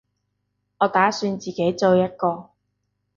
我打算自己做一個